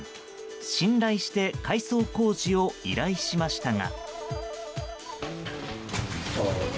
信頼して改装工事を依頼しましたが。